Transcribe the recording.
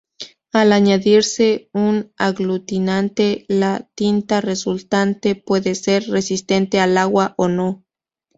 Al añadirse un aglutinante, la tinta resultante puede ser resistente al agua o no.